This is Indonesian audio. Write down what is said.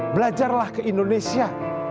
belajarlah ke indonesia